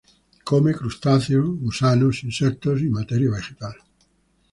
Come crustáceos, gusanos, insectos y materia vegetal.